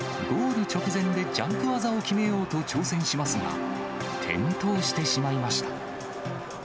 ゴール直前で、ジャンプ技を決めようと挑戦しますが、転倒してしまいました。